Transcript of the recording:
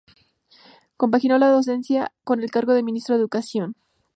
Compaginó la docencia con el cargo de Ministro de Educación.